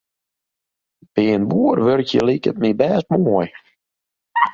By in boer wurkje liket my bêst moai.